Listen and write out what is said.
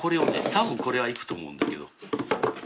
たぶんこれはいくと思うんだけど。